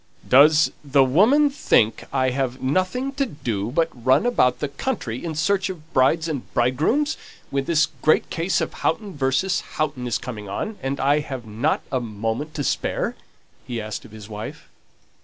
"Does the woman think I have nothing to do but run about the country in search of brides and bridegrooms, when this great case of Houghton v. Houghton is coming on, and I haven't a moment to spare?" he asked of his wife.